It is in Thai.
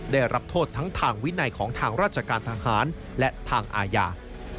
ได้รับโทษทั้งทางวินัยของทางราชการทหารและทางอาญา